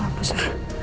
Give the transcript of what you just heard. gue hapus ya